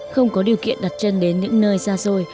không có điều kiện đặt chân đến những nơi xa xôi